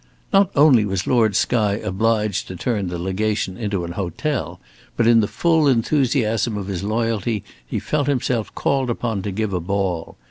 Not only was Lord Skye obliged to turn the Legation into an hotel, but in the full enthusiasm of his loyalty he felt himself called upon to give a ball.